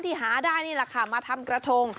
หาได้นี่แหละค่ะมาทำกระทง